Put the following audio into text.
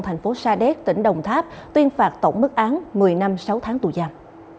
thành phố sa đéc tỉnh đồng tháp tuyên phạt tổng bức án một mươi năm sáu tháng tù giam